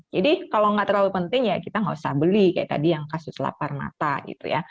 jadi kalau nggak terlalu penting ya kita nggak usah beli kayak tadi yang kasus lapar mata gitu ya